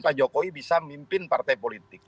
pak jokowi bisa mimpin partai politik